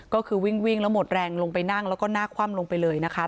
ก็คือวิ่งแล้วหมดแรงลงไปนั่งแล้วก็หน้าคว่ำลงไปเลยนะคะ